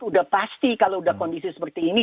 sudah pasti kalau sudah kondisi seperti ini